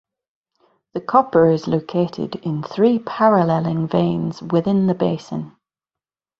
The copper is located in three paralleling veins within the basin.